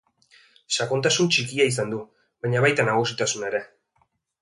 Sakontasun txikia izan du, baina baita nagusitasuna ere.